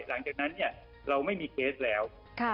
หลังจากนั้นเนี่ยเราไม่มีเคสแล้ว